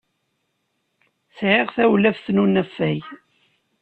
Sɛiɣ tawlaft n unafag.